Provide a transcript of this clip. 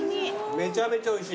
めちゃめちゃおいしい。